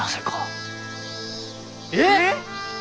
えっ！？